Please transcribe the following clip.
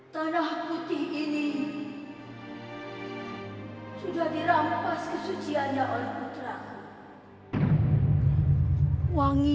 tube tiru dia ini